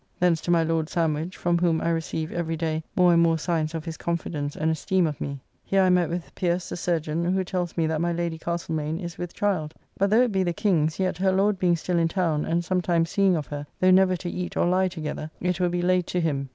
Thence to my Lord Sandwich, from whom I receive every day more and more signs of his confidence and esteem of me. Here I met with Pierce the chyrurgeon, who tells me that my Lady Castlemaine is with child; but though it be the King's, yet her Lord being still in town, and sometimes seeing of her, though never to eat or lie together, it will be laid to him.